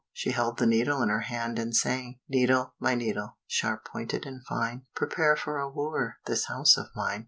She held the needle in her hand and sang, "Needle, my needle, sharp pointed and fine, Prepare for a wooer this house of mine."